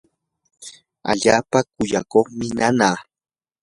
allaapa kuyakuqmi nanaa.